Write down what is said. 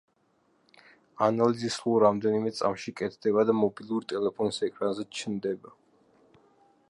ანალიზი სულ რამდენიმე წამში კეთდება და მობილური ტელეფონის ეკრანზე ჩნდება.